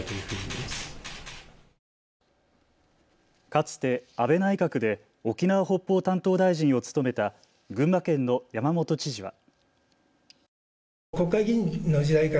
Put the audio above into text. かつて安倍内閣で沖縄・北方担当大臣を務めた群馬県の山本知事は。